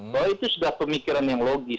bahwa itu sudah pemikiran yang logis